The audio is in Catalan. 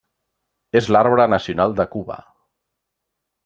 És l'arbre nacional de Cuba.